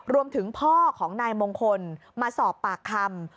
พ่อของนายมงคลมาสอบปากคำ